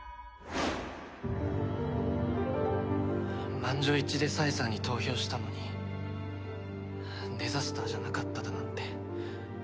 満場一致で冴さんに投票したのにデザスターじゃなかっただなんて。